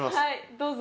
どうぞ。